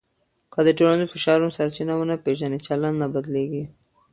که د ټولنیزو فشارونو سرچینه ونه پېژنې، چلند نه بدلېږي.